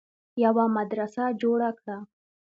يوه مدرسه جوړه کړه